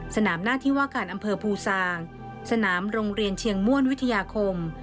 หน้าที่ว่าการอำเภอภูซางสนามโรงเรียนเชียงม่วนวิทยาคม